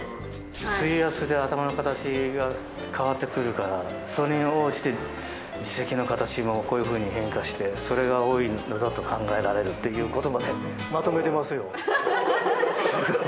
水圧で頭の形が変わってくるからそれに応じて耳石の形も変化してそれが多いのだと考えられるっていうことまでまとめてますよ。